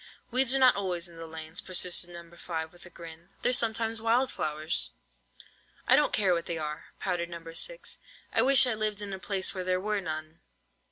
"Weeds are not always weeds in the lanes," persisted No. 5, with a grin: "they're sometimes wild flowers." "I don't care what they are," pouted No. 6. "I wish I lived in a place where there were none."